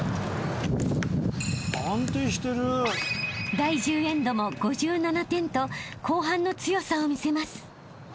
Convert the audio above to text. ［第１０エンドも５７点と後半の強さを見せます］